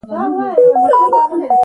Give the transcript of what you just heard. زه د راډیو له لارې سندرې اورم.